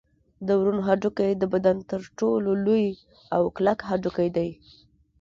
د ورون هډوکی د بدن تر ټولو لوی او کلک هډوکی دی